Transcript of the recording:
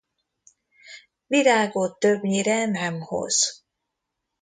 Virágot többnyire nem hoz.